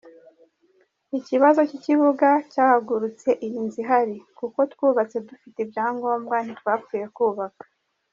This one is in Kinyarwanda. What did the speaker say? Ikibazo cy’ikibuga cyahagurutse iyi nzu ihari kuko twubatse dufite ibyangombwa ntitwapfuye kubaka.